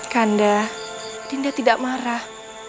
kanda dinda tidak marah